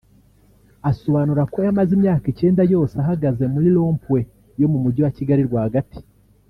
Asobanura ko yamaze imyaka icyenda yose ahagaze muri Rond Point yo mu Mujyi wa Kigali rwagati